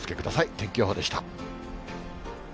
天気予報でした。